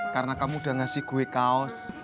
karena kamu udah ngasih gue kaos